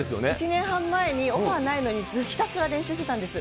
１年半前にオファーないのに、ひたすら練習してたんです。